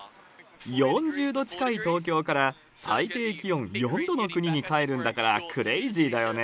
４０度近い東京から、最低気温４度の国に帰るんだから、クレイジーだよね。